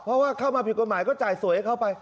เพราะว่าเข้ามาผิดกฎหมายก็จ่ายสวยให้เข้าไป